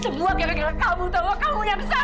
saya nggak mau denger lagi udah cukup ini